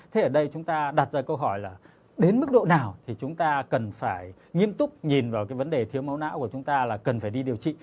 thế ở đây chúng ta đặt ra câu hỏi là đến mức độ nào thì chúng ta cần phải nghiêm túc nhìn vào cái vấn đề thiếu máu não của chúng ta là cần phải đi điều trị